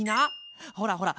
ほらほら